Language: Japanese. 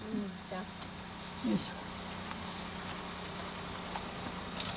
よいしょ。